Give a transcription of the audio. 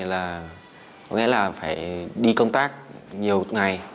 là phải đi công tác nhiều ngày